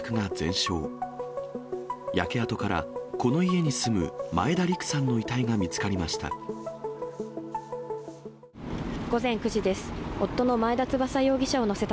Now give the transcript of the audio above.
焼け跡からこの家に住む前田陸さんの遺体が見つかりました。